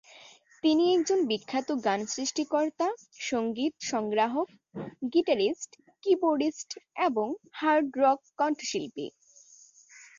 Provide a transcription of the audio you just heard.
তিনি একজন বিখ্যাত গান সৃষ্টিকর্তা, সঙ্গীত সংগ্রাহক, গিটারিস্ট, কি-বোর্ডিস্ট এবং হার্ড রক কন্ঠশিল্পী।